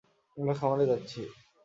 আমরা খামারে যাচ্ছি।